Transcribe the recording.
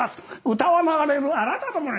「歌は流れるあなたの胸に」